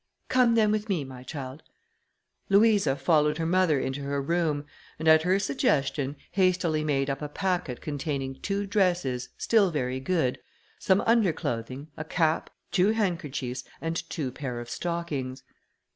"Come, then, with me, my child." Louisa followed her mother into her room, and, at her suggestion, hastily made up a packet containing two dresses, still very good; some underclothing, a cap, two handkerchiefs, and two pair of stockings.